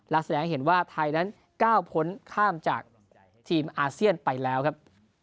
และแสดงให้เห็นว่าไทยนั้นก้าวพ้นข้ามจากทีมอาเซียนไปแล้วครับ